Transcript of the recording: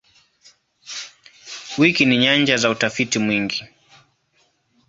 Wiki ni nyanja za utafiti mwingi.